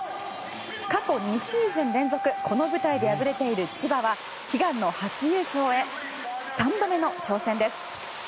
過去２シーズン連続この舞台で敗れている千葉は悲願の初優勝へ３度目の挑戦です。